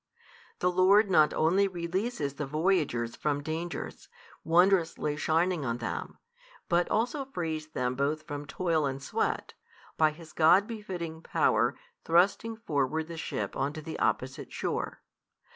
The Lord not only releases the voyagers from dangers, wondrously shining on them, but also frees them both from toil and sweat, by His God befitting Power thrusting forward the ship on to the opposite shore.